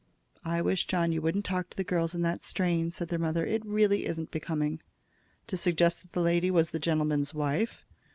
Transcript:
"I wish, John, you wouldn't talk to the girls in that strain," said their mother. "It really isn't becoming." "To suggest that the lady was the gentleman's wife?"